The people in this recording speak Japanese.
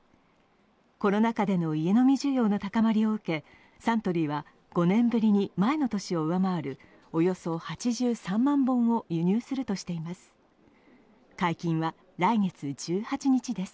コロナ禍での家飲み需要の高まりを受けサントリーは５年ぶりに前の年を上回るおよそ８３万本を輸入するとしています。